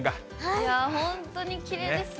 いやー、本当にきれいですね。